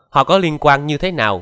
họ có liên quan như thế nào